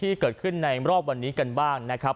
ที่เกิดขึ้นในรอบวันนี้กันบ้างนะครับ